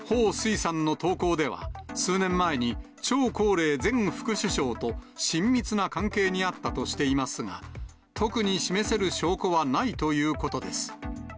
彭帥さんの投稿では、数年前に張高麗前副首相と親密な関係にあったとしていますが、特に示せる証拠はないということです。